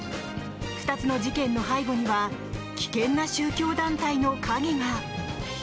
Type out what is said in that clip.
２つの事件の背後には危険な宗教団体の影が。